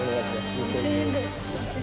２，０００円で。